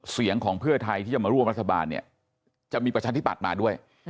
เสียงของเพื่อไทยที่จะมาร่วมรัฐบาลเนี่ยจะมีประชาธิปัตย์มาด้วย